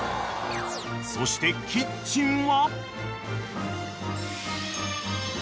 ［そしてキッチンは］